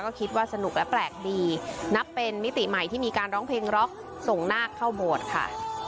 ก็คิดว่าสนุกและแปลกดีนับเป็นมิติใหม่ที่มีการร้องเพลงร็อกส่งนาคเข้าโบสถ์ค่ะ